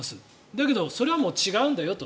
だけどそれはもう違うんだよと。